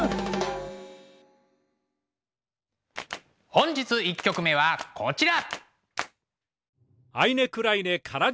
本日１曲目はこちら。